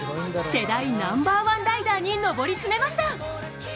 世代ナンバーワンライダーに上り詰めました。